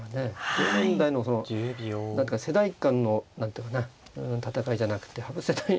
同年代のその何か世代間の何ていうかな戦いじゃなくて羽生世代とね